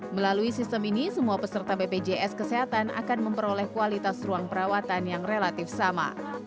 melalui sistem ini semua peserta bpjs kesehatan akan memperoleh kualitas ruang perawatan yang relatif sama